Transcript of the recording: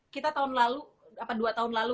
kita tahun lalu dua tahun lalu